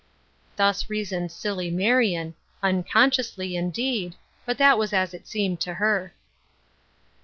Thus reasoned silly Marion — unconsiously, indeed ; but that was as it seemed to her.